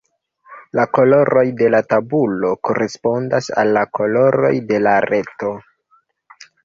La koloroj de la tabulo korespondas al la koloroj de la reto.